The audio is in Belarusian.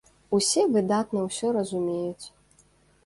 Усе выдатна ўсё разумеюць!